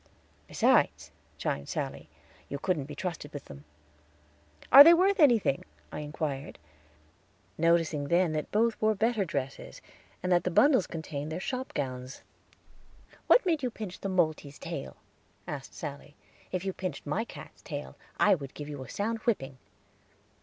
"Besides," chimed Sally, "you couldn't be trusted with them." "Are they worth anything?" I inquired, noticing then that both wore better dresses, and that the bundles contained their shop gowns. "What made you pinch the moltee's tail?" asked Sally. "If you pinched my cat's tail, I would give you a sound whipping."